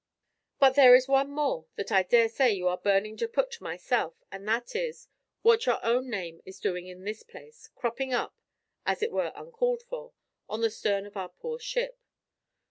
But there is one more that I daresay you are burning to put to myself; and that is, what your own name is doing in this place, cropping up (as it were uncalled for) on the stern of our poor ship?